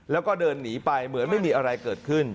แล้วก็เดินหนีไปเหมือนไม่มีอะไรเกิดขึ้น